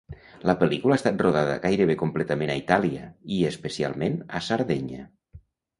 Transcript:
La pel·lícula ha estat rodada gairebé completament a Itàlia, i especialment a Sardenya.